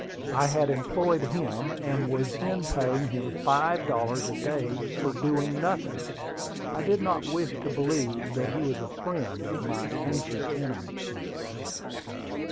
I had employed him, and was then paying him five dollars a day for doing nothing. I did not wish to believe that he was a friend of my ancient enemy.